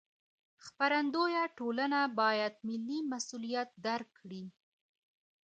خپرندویه ټولنې باید ملي مسوولیت درک کړي.